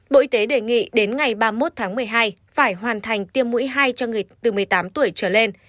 bộ y tế đề nghị đến ngày ba mươi một tháng một mươi hai phải hoàn thành tiêm mũi hai cho người từ một mươi tám tuổi trở lên